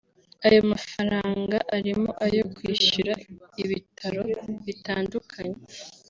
Ayo mafaranga arimo ayo kwishyura ibitaro bitandukanye